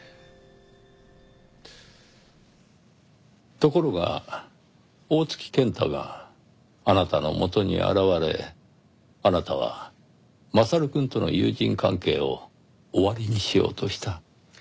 ところが大槻健太があなたのもとに現れあなたは将くんとの友人関係を終わりにしようとした。